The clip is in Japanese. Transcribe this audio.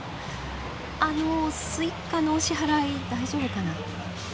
あのスイカのお支払い大丈夫かな。